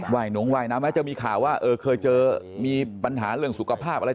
ยนงว่ายน้ำไหมจะมีข่าวว่าเออเคยเจอมีปัญหาเรื่องสุขภาพอะไร